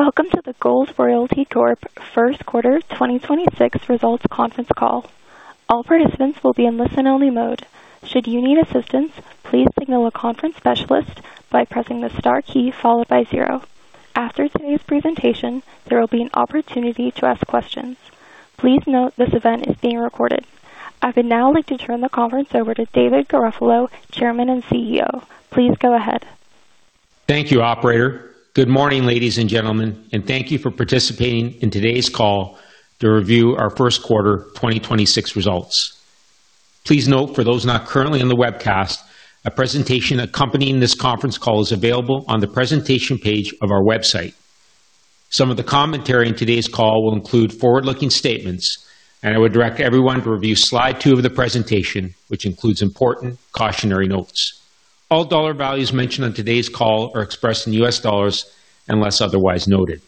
Welcome to the Gold Royalty Corp first quarter 2026 results conference call. All participants will be in listen-only mode. After today's presentation, there will be an opportunity to ask questions. Please note this event is being recorded. I would now like to turn the conference over to David Garofalo, Chairman and CEO. Please go ahead. Thank you, operator. Good morning, ladies and gentlemen, and thank you for participating in today's call to review our first quarter 2026 results. Please note for those not currently on the webcast, a presentation accompanying this conference call is available on the presentation page of our website. Some of the commentary in today's call will include forward-looking statements. I would direct everyone to review slide 2 of the presentation, which includes important cautionary notes. All dollar values mentioned on today's call are expressed in U.S. dollars unless otherwise noted.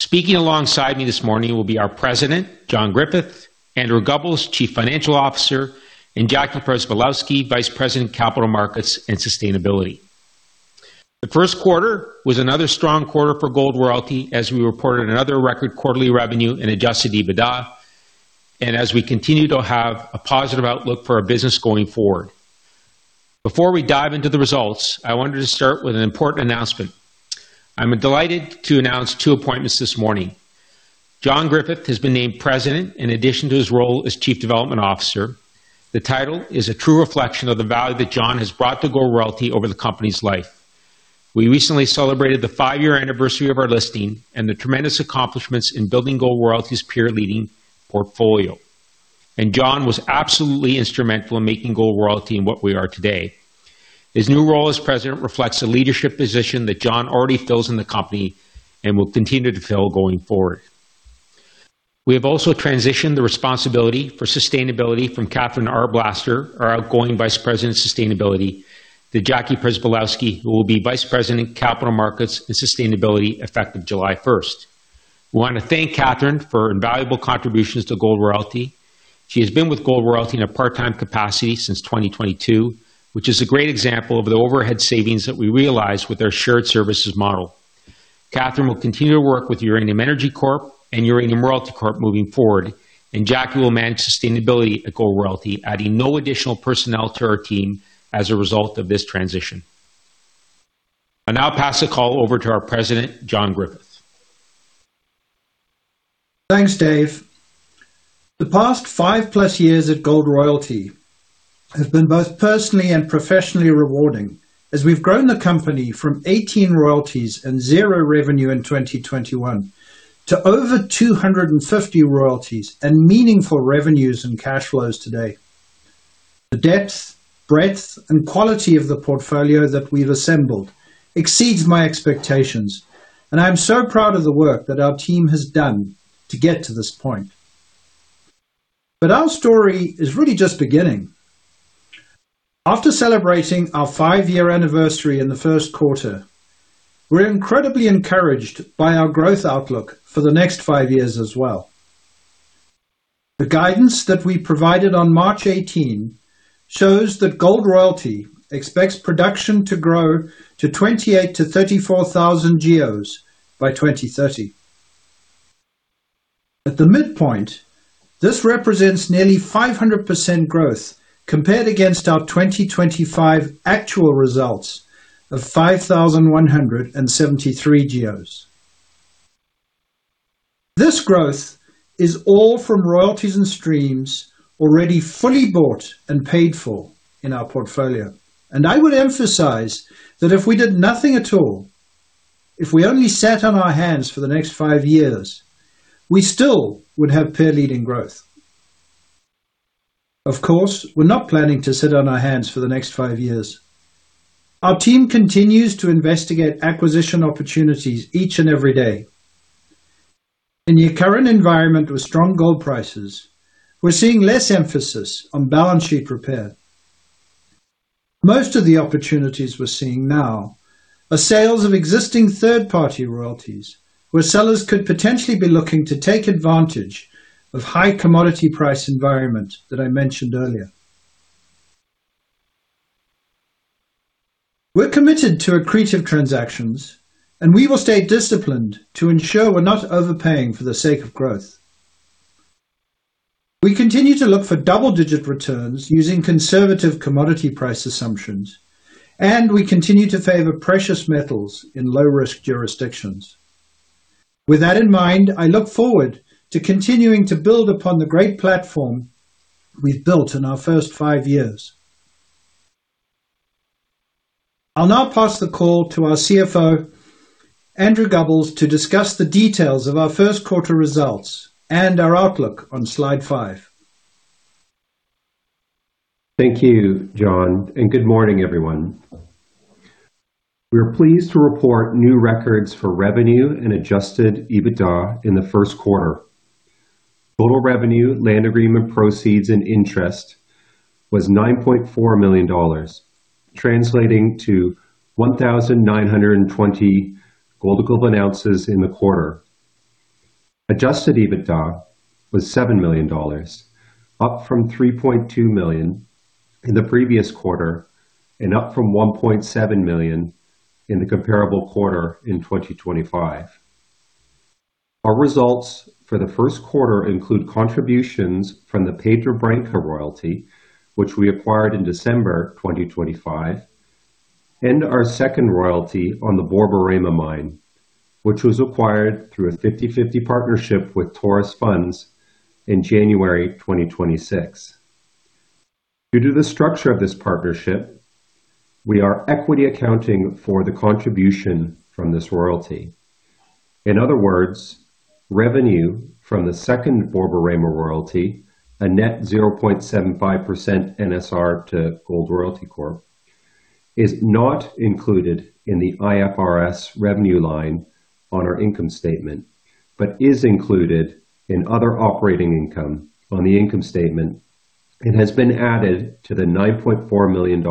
Speaking alongside me this morning will be our President, John Griffith, Andrew Gubbels, Chief Financial Officer, and Jackie Przybylowski, Vice President, Capital Markets and Sustainability. The first quarter was another strong quarter for Gold Royalty as we reported another record quarterly revenue and adjusted EBITDA and as we continue to have a positive outlook for our business going forward. Before we dive into the results, I wanted to start with an important announcement. I'm delighted to announce two appointments this morning. John Griffith has been named President in addition to his role as Chief Development Officer. The title is a true reflection of the value that John has brought to Gold Royalty over the company's life. We recently celebrated the five-year anniversary of our listing and the tremendous accomplishments in building Gold Royalty's peer-leading portfolio. John was absolutely instrumental in making Gold Royalty what we are today. His new role as President reflects the leadership position that John already fills in the company and will continue to fill going forward. We have also transitioned the responsibility for sustainability from Katherine Arblaster, our outgoing Vice President of Sustainability, to Jackie Przybylowski, who will be Vice President, Capital Markets and Sustainability effective July first. We want to thank Katherine for her invaluable contributions to Gold Royalty. She has been with Gold Royalty in a part-time capacity since 2022, which is a great example of the overhead savings that we realize with our shared services model. Katherine will continue to work with Uranium Energy Corp and Uranium Royalty Corp moving forward, and Jackie will manage sustainability at Gold Royalty, adding no additional personnel to our team as a result of this transition. I'll now pass the call over to our President, John Griffith. Thanks, Dave. The past five-plus years at Gold Royalty have been both personally and professionally rewarding as we've grown the company from 18 royalties and 0 revenue in 2021 to over 250 royalties and meaningful revenues and cash flows today. The depth, breadth, and quality of the portfolio that we've assembled exceeds my expectations, and I'm so proud of the work that our team has done to get to this point. Our story is really just beginning. After celebrating our five-year anniversary in the first quarter, we're incredibly encouraged by our growth outlook for the next five years as well. The guidance that we provided on March 18 shows that Gold Royalty expects production to grow to 28,000-34,000 GEOs by 2030. At the midpoint, this represents nearly 500% growth compared against our 2025 actual results of 5,173 GEOs. This growth is all from royalties and streams already fully bought and paid for in our portfolio. I would emphasize that if we did nothing at all, if we only sat on our hands for the next five years, we still would have peer-leading growth. Of course, we're not planning to sit on our hands for the next five years. Our team continues to investigate acquisition opportunities each and every day. In the current environment with strong gold prices, we're seeing less emphasis on balance sheet repair. Most of the opportunities we're seeing now are sales of existing third-party royalties, where sellers could potentially be looking to take advantage of high commodity price environment that I mentioned earlier. We're committed to accretive transactions, and we will stay disciplined to ensure we're not overpaying for the sake of growth. We continue to look for double-digit returns using conservative commodity price assumptions, and we continue to favor precious metals in low-risk jurisdictions. With that in mind, I look forward to continuing to build upon the great platform we've built in our first five years. I'll now pass the call to our CFO, Andrew Gubbels, to discuss the details of our first quarter results and our outlook on slide five. Thank you, John. Good morning, everyone. We are pleased to report new records for revenue and adjusted EBITDA in the first quarter. Total revenue, land agreement proceeds, and interest was $9.4 million, translating to 1,920 gold equivalent ounces in the quarter. Adjusted EBITDA was $7 million, up from $3.2 million in the previous quarter and up from $1.7 million in the comparable quarter in 2025. Our results for the first quarter include contributions from the Pedra Branca royalty, which we acquired in December 2025, and our second royalty on the Borborema mine, which was acquired through a 50/50 partnership with Taurus Funds in January 2026. Due to the structure of this partnership, we are equity accounting for the contribution from this royalty. In other words, revenue from the second Borborema royalty, a net 0.75% NSR to Gold Royalty Corp, is not included in the IFRS revenue line on our income statement, but is included in other operating income on the income statement and has been added to the $9.4 million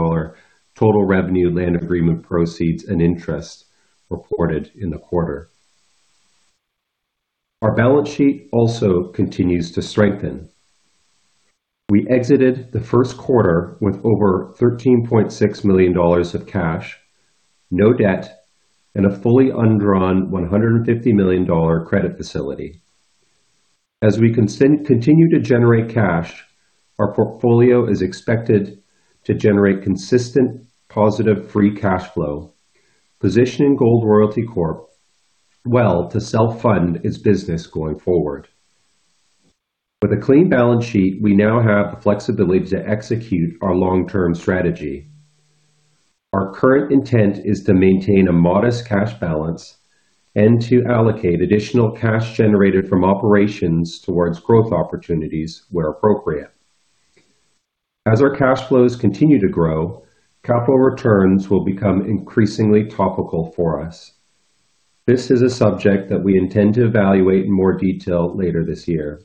total revenue land agreement proceeds and interest reported in the quarter. Our balance sheet also continues to strengthen. We exited the first quarter with over $13.6 million of cash, no debt, and a fully undrawn $150 million credit facility. As we continue to generate cash, our portfolio is expected to generate consistent positive free cash flow, positioning Gold Royalty Corp well to self-fund its business going forward. With a clean balance sheet, we now have the flexibility to execute our long-term strategy. Our current intent is to maintain a modest cash balance and to allocate additional cash generated from operations towards growth opportunities where appropriate. As our cash flows continue to grow, capital returns will become increasingly topical for us. This is a subject that we intend to evaluate in more detail later this year.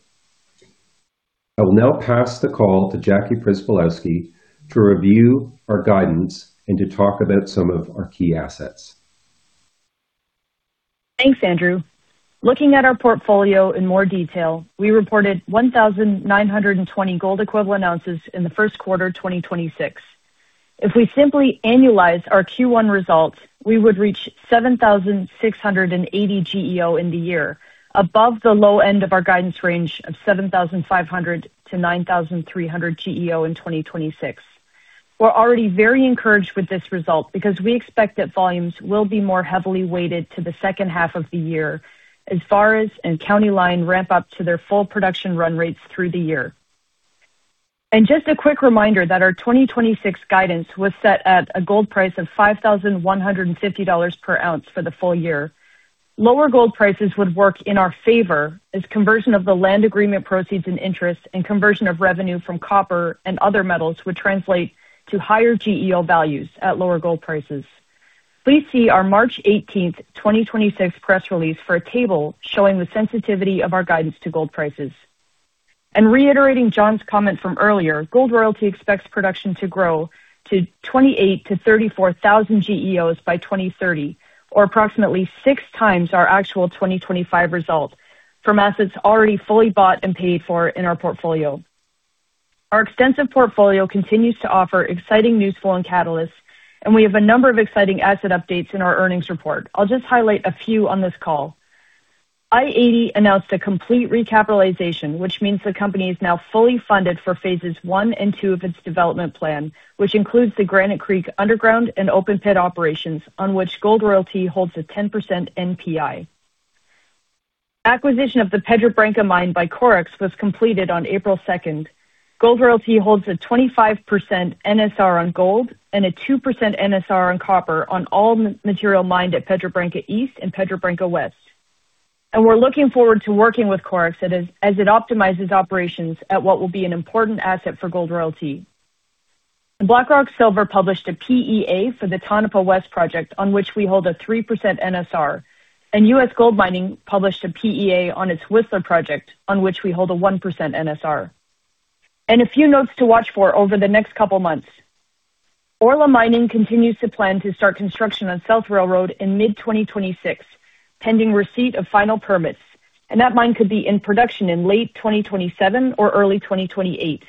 I will now pass the call to Jackie Przybylowski to review our guidance and to talk about some of our key assets. Thanks, Andrew. Looking at our portfolio in more detail, we reported 1,920 gold equivalent ounces in the first quarter of 2026. If we simply annualize our Q1 results, we would reach 7,680 GEO in the year, above the low end of our guidance range of 7,500 to 9,300 GEO in 2026. We're already very encouraged with this result because we expect that volumes will be more heavily weighted to the second half of the year as Vareš and County Line ramp up to their full production run rates through the year. Just a quick reminder that our 2026 guidance was set at a gold price of $5,150 per ounce for the full year. Lower gold prices would work in our favor as conversion of the land agreement proceeds in interest and conversion of revenue from copper and other metals would translate to higher GEO values at lower gold prices. Please see our March 18th, 2026 press release for a table showing the sensitivity of our guidance to gold prices. Reiterating John's comment from earlier, Gold Royalty expects production to grow to 28,000 GEOs-34,000 GEOs by 2030 or approximately 6x our actual 2025 result from assets already fully bought and paid for in our portfolio. Our extensive portfolio continues to offer exciting news flow and catalysts, and we have a number of exciting asset updates in our earnings report. I'll just highlight a few on this call. i-80 announced a complete recapitalization, which means the company is now fully funded for phases 1 and 2 of its development plan, which includes the Granite Creek underground and open-pit operations, on which Gold Royalty holds a 10% NPI. Acquisition of the Pedra Branca mine by CoreX was completed on April 2. Gold Royalty holds a 25% NSR on gold and a 2% NSR on copper on all material mined at Pedra Branca East and Pedra Branca West. We're looking forward to working with CoreX as it optimizes operations at what will be an important asset for Gold Royalty. Blackrock Silver published a PEA for the Tonopah West project, on which we hold a 3% NSR, and U.S. GoldMining published a PEA on its Whistler project, on which we hold a 1% NSR. A few notes to watch for over the next couple months. Orla Mining continues to plan to start construction on South Railroad in mid-2026, pending receipt of final permits, and that mine could be in production in late 2027 or early 2028.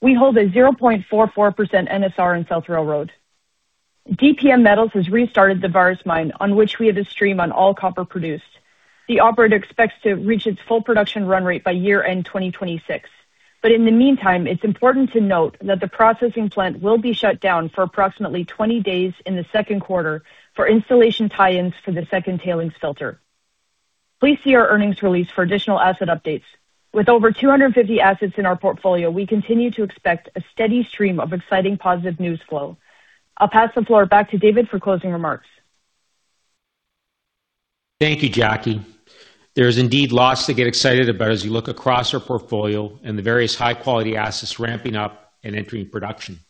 We hold a 0.44% NSR in South Railroad. DPM Metals has restarted the Vareš Mine, on which we have a stream on all copper produced. The operator expects to reach its full production run rate by year-end 2026. In the meantime, it's important to note that the processing plant will be shut down for approximately 20 days in the second quarter for installation tie-ins for the second tailings filter. Please see our earnings release for additional asset updates. With over 250 assets in our portfolio, we continue to expect a steady stream of exciting positive news flow. I'll pass the floor back to David for closing remarks. Thank you, Jackie. There is indeed lots to get excited about as you look across our portfolio and the various high-quality assets ramping up and entering production.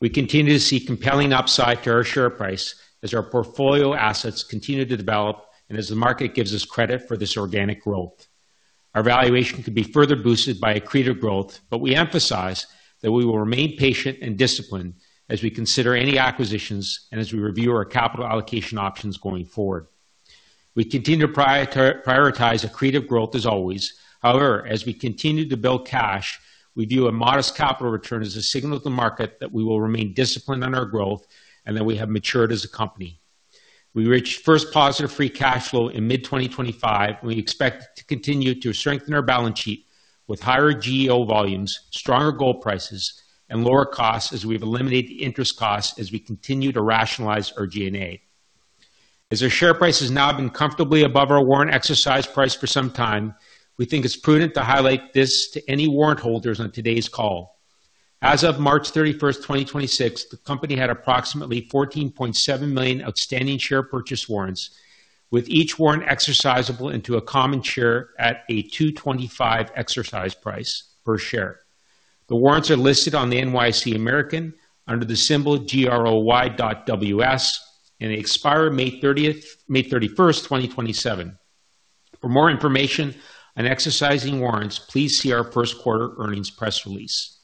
We continue to see compelling upside to our share price as our portfolio assets continue to develop and as the market gives us credit for this organic growth. Our valuation could be further boosted by accretive growth, but we emphasize that we will remain patient and disciplined as we consider any acquisitions and as we review our capital allocation options going forward. We continue to prioritize accretive growth as always. As we continue to build cash, we view a modest capital return as a signal to the market that we will remain disciplined on our growth and that we have matured as a company. We reached first positive free cash flow in mid-2025. We expect to continue to strengthen our balance sheet with higher GEO volumes, stronger gold prices, and lower costs as we've eliminated the interest costs as we continue to rationalize our G&A. As our share price has now been comfortably above our warrant exercise price for some time, we think it's prudent to highlight this to any warrant holders on today's call. As of March 31, 2026, the company had approximately 14.7 million outstanding share purchase warrants, with each warrant exercisable into a common share at a $2.25 exercise price per share. The warrants are listed on the NYSE American under the symbol GROY.WS and they expire May 31, 2027. For more information on exercising warrants, please see our first quarter earnings press release.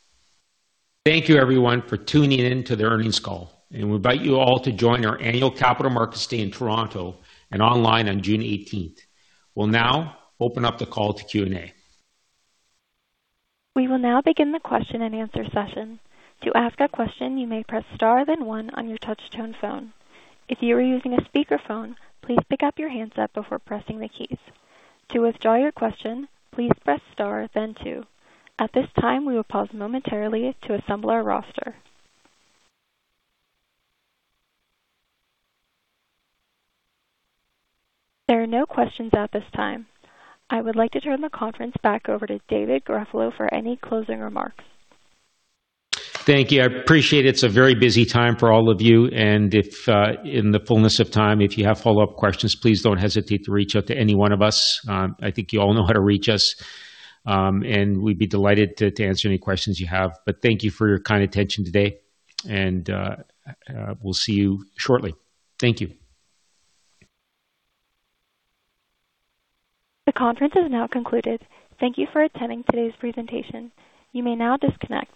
Thank you everyone for tuning in to the earnings call, and we invite you all to join our annual Capital Markets Day in Toronto and online on June 18th. We'll now open up the call to Q&A. We will now begin the question and answer session. To ask a question, you may press star then one on your touch-tone phone. If you are using a speakerphone, please pick up your handset before pressing the keys. To withdraw your question, please press star then two. At this time, we will pause momentarily to assemble our roster. There are no questions at this time. I would like to turn the conference back over to David Garofalo for any closing remarks. Thank you. I appreciate it's a very busy time for all of you, and if, in the fullness of time, if you have follow-up questions, please don't hesitate to reach out to any one of us. I think you all know how to reach us, and we'd be delighted to answer any questions you have. Thank you for your kind attention today and, we'll see you shortly. Thank you. The conference has now concluded. Thank you for attending today's presentation. You may now disconnect.